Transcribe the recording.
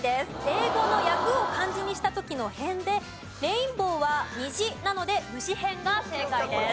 英語の訳を漢字にした時の偏でレインボーは虹なので虫偏が正解です。